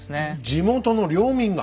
地元の領民が。